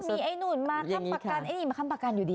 มีไอ้นู่นมาค้มประกันอยู่ดี